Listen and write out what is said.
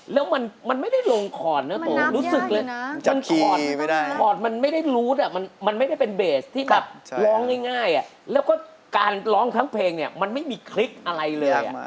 แล้วมันไม่ได้ลงคอร์ดนะผมรู้สึกเลยนะคอร์ดมันไม่ได้รูดมันไม่ได้เป็นเบสที่แบบร้องง่ายแล้วก็การร้องทั้งเพลงเนี่ยมันไม่มีคลิกอะไรเลย